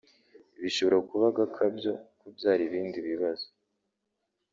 Bishobora kuba agakabyo kabyara ibindi bibazo